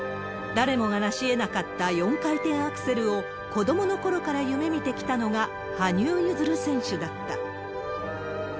誰もがなしえなかった４回転アクセルを子どものころから夢みてきたのが、羽生結弦選手だった。